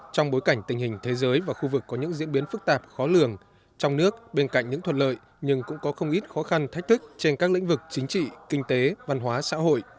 trong bối cảnh tình hình thế giới và khu vực có những diễn biến phức tạp khó lường trong nước bên cạnh những thuận lợi nhưng cũng có không ít khó khăn thách thức trên các lĩnh vực chính trị kinh tế văn hóa xã hội